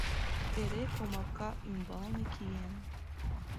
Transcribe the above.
Эре комака ӱмбалне киен.